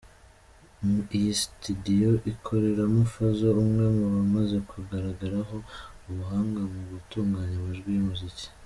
Iyi studio ikoreramo Fazzo, umwe mu bamaze kugaragaraho ubuhanga mu gutunganya amajwi y’umuziki.